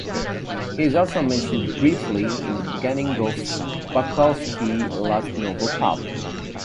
He is also mentioned briefly in the beginning of Bukowski's last novel, "Pulp".